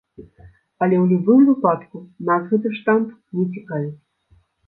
Але ў любым выпадку, нас гэты штамп не цікавіць.